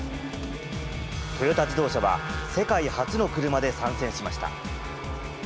トヨタ自動車は世界初の車で参戦しました。